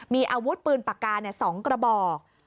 มีอาวุธปืนปากกา๒กระบอก